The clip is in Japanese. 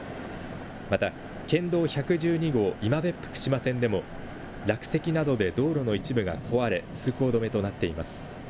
また県道１１２号今別府串間線でも落石などで道路の一部が壊れ通行止めとなっています。